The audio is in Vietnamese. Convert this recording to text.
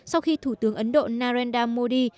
sau khi thủ tướng ấn độ narendra modi